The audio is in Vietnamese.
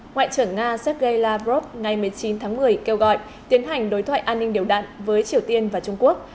ngoại trưởng nga sergei lavrov ngày một mươi chín tháng một mươi kêu gọi tiến hành đối thoại an ninh điều đạn với triều tiên và trung quốc